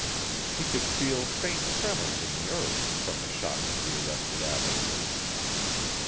He could feel faint tremors in the earth from the shock of the arrested avalanche.